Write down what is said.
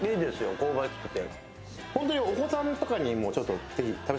香ばしくて。